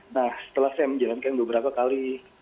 nah setelah saya menjalankan beberapa kali